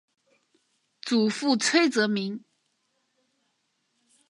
祖父崔则明。